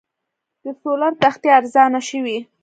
د سولر تختې ارزانه شوي؟